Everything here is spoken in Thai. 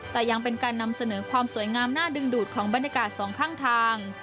แต่ยังเป็นการนำเสนอความสวยงามน่าดึงดูดของบรรยากาศสองข้างทาง